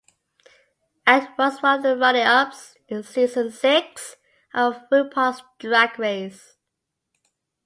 Act was one of the runner ups in season six of "RuPaul's Drag Race".